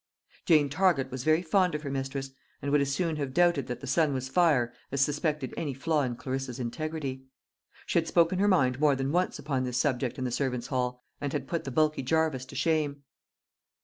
Jane Target was very fond of her mistress, and would as soon have doubted that the sun was fire as suspected any flaw in Clarissa's integrity. She had spoken her mind more than once upon this subject in the servants' hall, and had put the bulky Jarvis to shame.